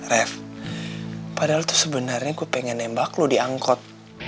ref padahal tuh sebenernya gua pengen nembak lo di angkot